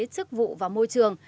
chức vụ và môi trường